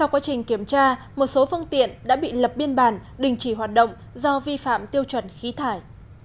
quá trình kiểm tra một số phương tiện đã bị lập biên bản đình chỉ hoạt động do vi phạm tiêu chuẩn khí thải